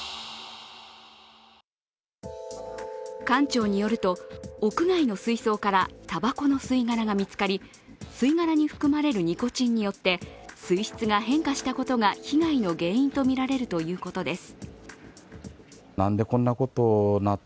館長によると、屋外の水槽からたばこの吸い殻が見つかり、吸い殻に含まれるニコチンによって水質が変化したことが被害の原因とみられるということです。